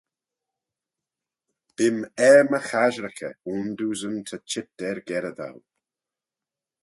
Bee'm er my chasherickey ayndoosyn ta çheet er-gerrey dou.